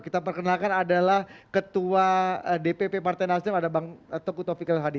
kita perkenalkan adalah ketua dpp partai nasional ada bang teguh taufik lohadi